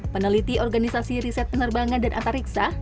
peneliti organisasi riset penerbangan dan antariksa